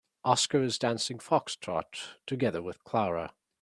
Oscar is dancing foxtrot together with Clara.